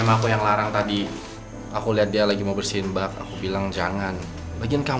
ini uang dari orang tuanya dari orang tua kandungnya